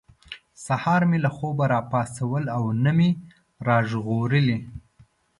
سهار مې له خوبه را پاڅول او نه مې را ژغورلي.